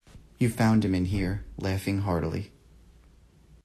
You found him in here, laughing heartily.